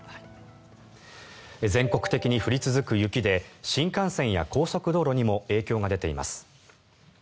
全国的に降り続く雪で新幹線や高速道路にも影響が出ています。